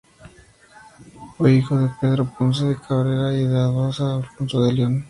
Fue hijo de Pedro Ponce de Cabrera y de Aldonza Alfonso de León.